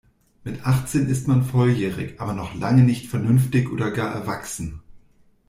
Mit achtzehn ist man volljährig aber noch lange nicht vernünftig oder gar erwachsen.